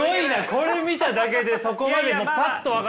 これ見ただけでそこまでもうパッと分かるんだ。